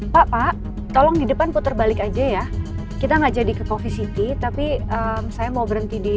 pak pak tolong di depan putar balik aja ya kita enggak jadi ke kofisik tapi saya mau berhenti di